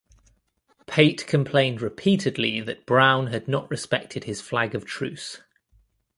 Pate complained repeatedly that Brown had not respected his flag of truce.